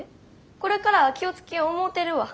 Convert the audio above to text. これからは気を付けよう思うてるわ。